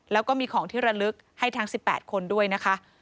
แล้วก็มีของที่ระลึกให้ทั้ง๑๘คนด้วยนะคะ